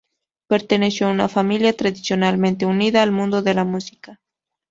Perteneció a una familia tradicionalmente unida al mundo de la música.